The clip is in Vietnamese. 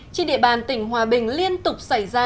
trên địa bàn tỉnh hòa bình liên tục xảy ra